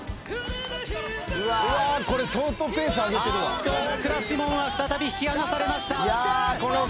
あっと大倉士門は再び引き離されました。